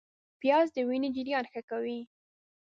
پیاز د وینې جریان ښه کوي